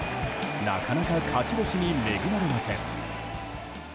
なかなか勝ち星に恵まれません。